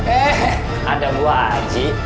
eh ada gue aja